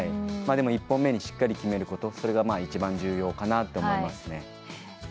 でも１本目をしっかり決めることそれが一番重要かなと思いますね。